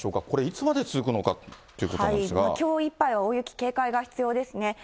これ、いつまで続くのかっていうきょういっぱいは大雪、警戒が必要ですね。